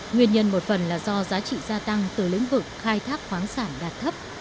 nguyên nhân một phần là do giá trị gia tăng từ lĩnh vực khai thác khoáng sản đạt thấp